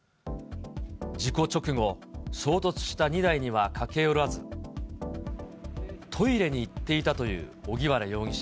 事故直後、衝突した２台には駈け寄らず、トイレに行っていたという荻原容疑者。